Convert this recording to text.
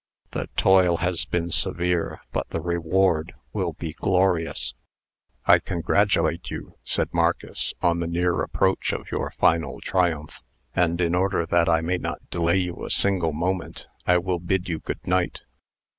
The toil has been severe, but the reward will be glorious." "I congratulate you," said Marcus, "on the near approach of your final triumph. And, in order that I may not delay you a single moment, I will bid you 'good night.'"